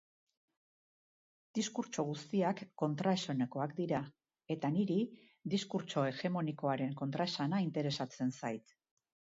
Diskurtso guztiak kontraesanekoak dira eta niri diskurtso hegemonikoaren kontraesana interesatzen zait.